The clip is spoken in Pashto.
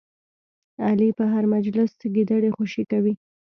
علي په هر مجلس کې ګیدړې خوشې کوي.